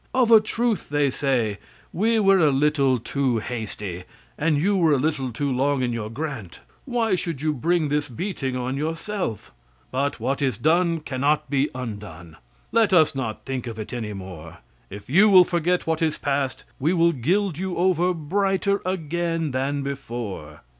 'Of a truth,' they say, 'we were a little too hasty, and you were a little too long in your grant. Why should you bring this beating on yourself. But what is done cannot be undone.' Let us not think of it any more. If you will forget what is past, we will gild you over brighter again than before.